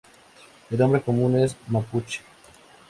El nombre común es mapuche.